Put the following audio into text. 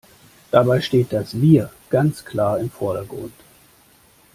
Dabei steht das Wir ganz klar im Vordergrund.